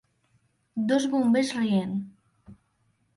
dos bombers rient